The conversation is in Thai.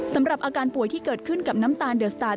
สำหรับอาการป่วยที่เกิดขึ้นกับน้ำตาลเดอร์สตาร์ท